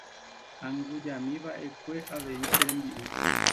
Angujami va'ekue avei che rembi'u.